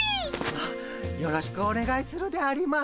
あよろしくお願いするであります。